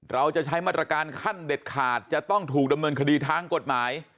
เราจะใช้มาตรการขั้นเด็ดขาดจะต้องถูกดำเนินคดีทางกฎหมาย